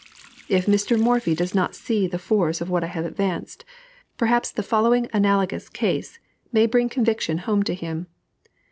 If Mr. Morphy does not see the force of what I have advanced, perhaps the following analogous case may bring conviction home to him.